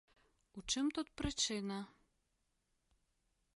У чым тут прычына?